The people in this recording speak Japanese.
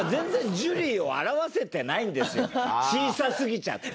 小さすぎちゃって。